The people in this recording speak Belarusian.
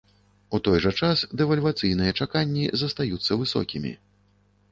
У той жа час дэвальвацыйныя чаканні застаюцца высокімі.